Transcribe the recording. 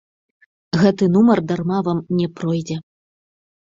Гэты нумар дарма вам не пройдзе.